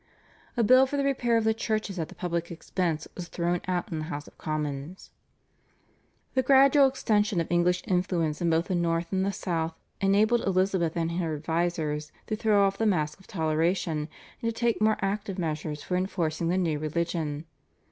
A bill for the repair of the churches at the public expense was thrown out in the House of Commons. The gradual extension of English influence in both the North and the South enabled Elizabeth and her advisers to throw off the mask of toleration, and to take more active measures for enforcing the new religion.